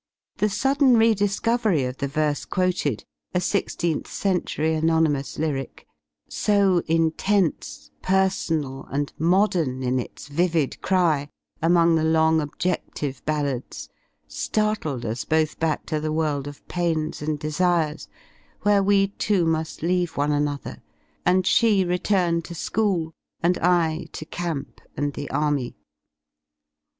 The sudden rediscovery of the verse quoted — a sixteenth century anonymous lyric — so intense, personal, and modern in its vivid cry, among the long objeftive ballads, ftartled us both back to the world of pains and desires, where we two muft leave one another, and she return to School and I to Camp and the Army.